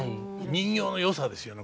人形のよさですよね